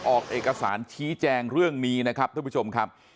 ออกเอกสารชี้แจงเรื่องนี้นะครับท่านผู้ชมครับ